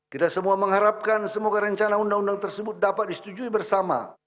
kita semua mengharapkan semoga rencana undang undang tersebut dapat disetujui bersama